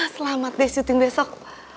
selamat deh syuting besok